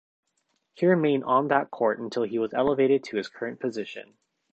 He remained on that court until he was elevated to his current position.